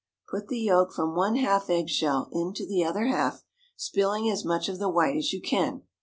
Put the yolk from one half egg shell into the other half, spilling as much of the white as you can.